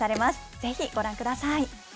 ぜひご覧ください。